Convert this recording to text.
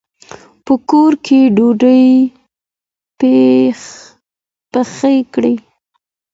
په کور کې ډوډۍ پخ کړئ.